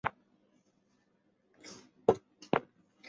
随后议会由选举产生。